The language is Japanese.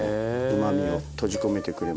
うまみを閉じ込めてくれますね。